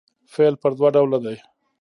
فعل پر دوه ډوله دئ.